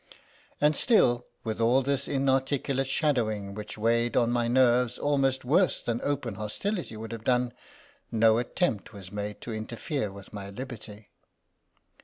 And still, with all this inarticulate shadowing, which weighed on my nerves almost worse than open hostility would have done, no attempt was made to interfere with my liberty.